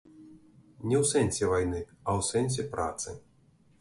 Не ў сэнсе вайны, а ў сэнсе працы.